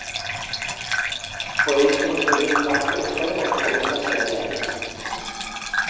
Por iso imos pedir un pacto de estado contra a fenda salarial.